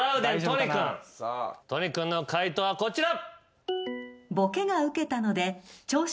都仁君の解答はこちら。